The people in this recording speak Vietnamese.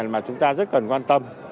mà chúng ta rất cần quan tâm